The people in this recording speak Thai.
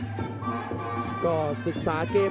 หมดยกที่๑ครับ